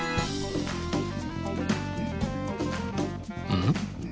うん？